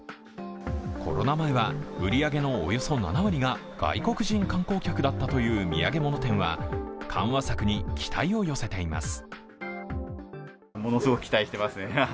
コロナ前は売り上げのおよそ７割が外国人観光客だったという土産物店は緩和策に期待を寄せています。